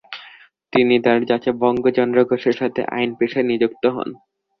তিনি তার চাচা বঙ্গচন্দ্র ঘোষের সাথে আইন পেশায় নিযুক্ত হন।